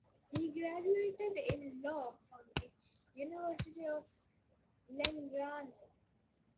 He graduated in Law from the University of Belgrano.